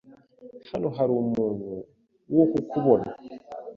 Hano hari umuntu wo kukubona.